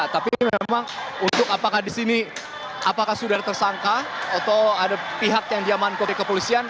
tapi memang untuk apakah disini apakah sudah tersangka atau ada pihak yang diamankan kepolisian